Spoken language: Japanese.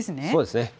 そうですね。